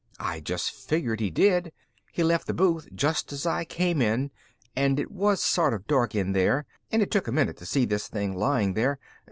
"I just figured he did. He left the booth just as I came in and it was sort of dark in there and it took a minute to see this thing laying there.